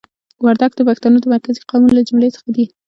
وردګ د پښتنو د مرکزي قومونو له جملې څخه دي.